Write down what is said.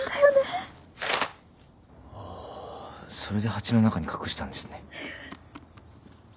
それで鉢の中に隠したんですね。